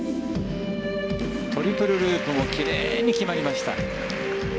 トリプルループも奇麗に決まりました。